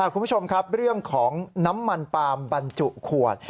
คุณผู้ชมครับเรื่องของน้ำมันปาล์มบรรจุขวด